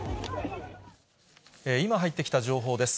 今、入ってきた情報です。